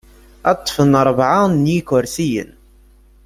Ad ṭṭfen rebɛa n yikersiyen.